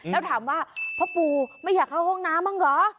แล้วถามว่าพ่อปู่ไม่อยากเข้าห้องน้ำบ้างเหรอ